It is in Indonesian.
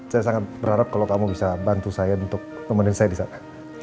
saya sangat berharap kalau kamu bisa bantu saya untuk nemenin saya di sana